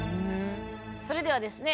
それではですね